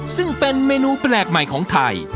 ซึ่งเป็นเมนูแปลกใหม่ของไทย